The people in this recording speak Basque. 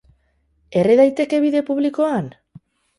Erre daiteke bide publikoan?